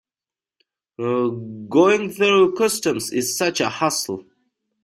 Going through customs is such a hassle.